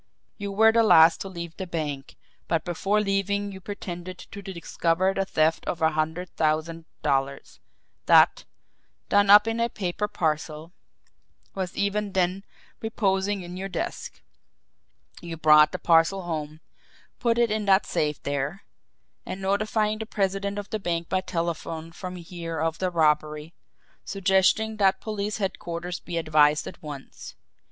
You were the last to leave the bank, but before leaving you pretended to discover the theft of a hundred thousand dollars that, done up in a paper parcel, was even then reposing in your desk. You brought the parcel home, put it in that safe there and notified the president of the bank by telephone from here of the robbery, suggesting that police headquarters be advised at once.